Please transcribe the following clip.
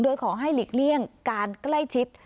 โดยขอให้หลีกเลี่ยงการใกล้ชิด